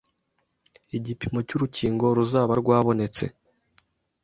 igipimo cy'urukingo ruzaba rwabonetse